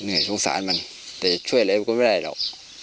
เหนื่อยสงสารมันแต่ช่วยอะไรก็ไม่ได้หรอก